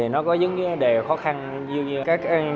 nó có những đề khó khăn như các